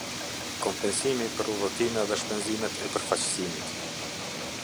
Kompensimi për udhëtime dhe shpenzimet e përfaqësimit.